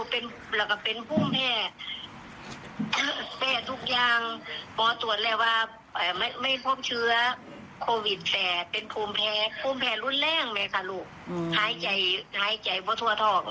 ปลอดภัยแล้วนะคะ